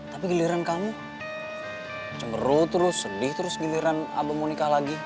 tapi giliran kamu cemberu terus sedih terus giliran abah mau nikah lagi